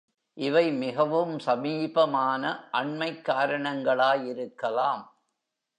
இவை மிகவும் சமீபமான அண்மைக் காரணங்களாயிருக்கலாம்.